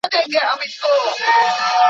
تاسي باید د ورزش لپاره یو منظم مهالویش ولرئ.